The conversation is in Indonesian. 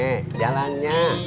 oke jadi saya akan balik dulu